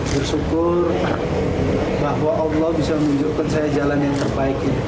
bersyukur bahwa allah bisa menunjukkan saya jalan yang terbaik